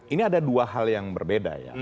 ini ada dua hal yang berbeda ya